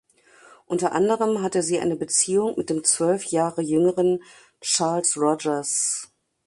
Unter anderem hatte sie eine Beziehung mit dem zwölf Jahre jüngeren Charles Rogers.